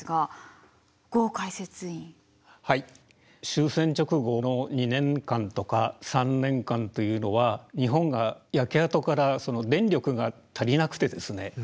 終戦直後の２年間とか３年間というのは日本が焼け跡から電力が足りなくてですね